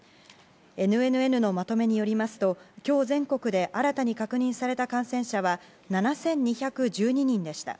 ＮＮＮのまとめによりますと今日、全国で新たに確認された感染者は７２１２人でした。